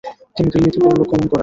তিনি দিল্লীতে পরলোক গমন করেন।